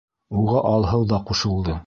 — Уға Алһыу ҙа ҡушылды.